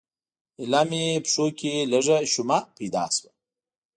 ایله مې پښو کې لږه شیمه پیدا شوه.